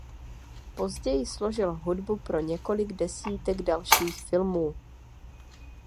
Později složil hudbu pro několik desítek dalších filmů.